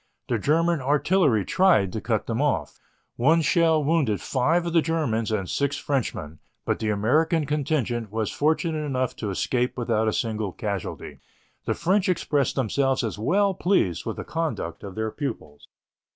The German artillery tried to cut them off. One shell wounded five of the Germans and six Frenchmen, but the American contingent was fortunate enough to escape without a single casualty. The French expressed themselves as well pleased with the conduct of their pupils.